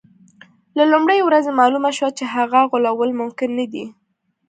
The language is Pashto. له لومړۍ ورځې معلومه شوه چې هغه غولول ممکن نه دي.